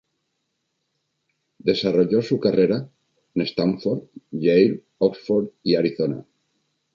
Desarrolló su carrera en Stanford, Yale, Oxford y Arizona.